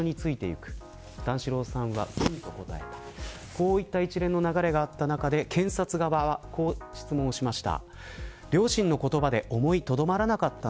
こういった一連の流れがあって検察側は、こう質問をしました。